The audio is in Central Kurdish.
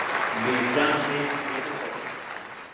بێجان لێیان دێتە دەست